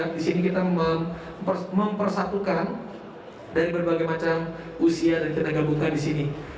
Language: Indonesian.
di sini kita mempersatukan dari berbagai macam usia dan kita gabungkan di sini